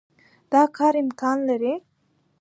دا کار امکان لري.